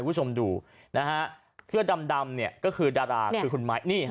คุณผู้ชมดูนะฮะเสื้อดำเนี่ยก็คือดาราคือคุณไม้นี่ฮะ